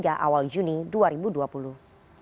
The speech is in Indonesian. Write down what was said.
siaranya setuju jauh dari medications atau ambil cash